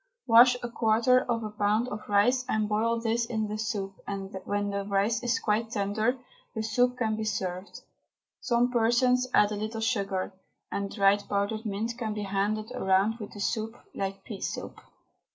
Wash a quarter of a pound of rice, and boil this in the soup, and when the rice is quite tender the soup can be served. Some persons add a little sugar, and dried powdered mint can be handed round with the soup, like pea soup.